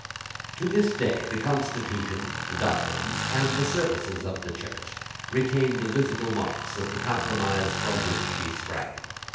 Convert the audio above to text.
To this day the constitution, the doctrines, and the services of the Church, retain the visible marks of the compromise from which she sprang.